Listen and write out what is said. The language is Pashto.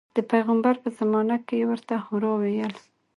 د پیغمبر په زمانه کې یې ورته حرا ویل.